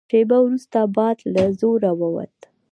شېبه وروسته باد له زوره ووت.